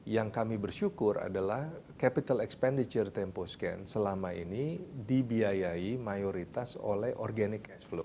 yang kami bersyukur adalah capital expenditure tempo scan selama ini dibiayai mayoritas oleh organic cash flow